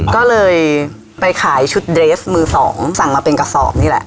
ก็เลยไปขายชุดเดรสมือสองสั่งมาเป็นกระสอบนี่แหละ